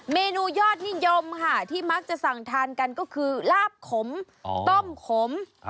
เมนูยอดนิยมค่ะที่มักจะสั่งทานกันก็คือลาบขมต้มขม